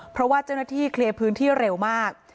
เพราะว่าเจ้าหน้าที่เคลียร์พื้นที่เร็วมาก